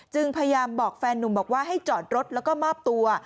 พยายามบอกแฟนนุ่มบอกว่าให้จอดรถแล้วก็มอบตัว